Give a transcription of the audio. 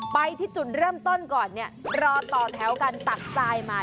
ไปที่จุดเริ่มต้นก่อนเนี่ยรอต่อแถวกันตักทรายมา